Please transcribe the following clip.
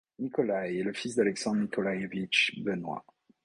Nikolaï est le fils d'Alexandre Nikolaïevitch Benois.